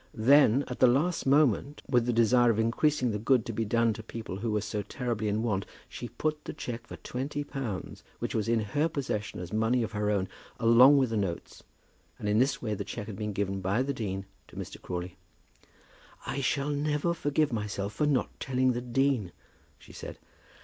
Then, at the last moment, with the desire of increasing the good to be done to people who were so terribly in want, she put the cheque for twenty pounds, which was in her possession as money of her own, along with the notes, and in this way the cheque had been given by the dean to Mr. Crawley. "I shall never forgive myself for not telling the dean," she said.